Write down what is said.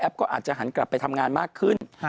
ก็อาจจะหันกลับไปทำงานมากขึ้น